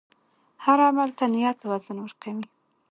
هر عمل ته نیت وزن ورکوي.